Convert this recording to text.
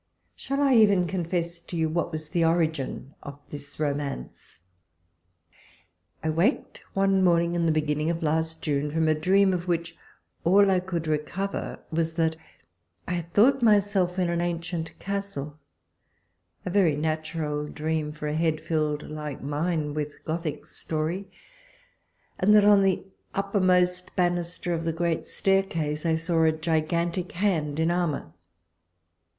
Shall I even confess to you, what was the origin of this romance ! I waked one morning, in the beginning of last June, from a dream, of which, all I could recover was, that I had thought WALPOLES LETTERS. 107 myself in an ancient castle (a very natural dream for a head filled like mine with Gothic story), and that on the uppermost banister of a great staircase I saw a gigantic hand in armour.